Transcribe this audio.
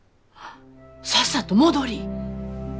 さっさと戻りい。